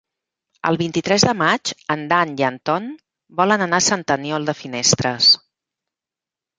El vint-i-tres de maig en Dan i en Ton volen anar a Sant Aniol de Finestres.